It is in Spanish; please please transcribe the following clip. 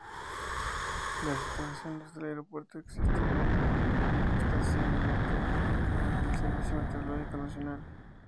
En las instalaciones del aeropuerto existe una estación meteorológica del Servicio Meteorológico Nacional.